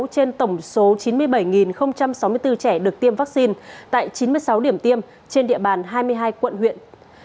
trên tổng số chín mươi bảy sáu mươi bốn trẻ được tiêm vaccine tại chín mươi sáu điểm tiêm trên địa bàn hai mươi hai quận huyện